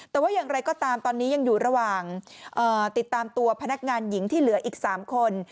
แต่ว่าอย่างไรก็ตามตอนนี้ยังอยู่ระหว่างติดตามตัวพนักงานหญิงที่เหลืออีก๓คน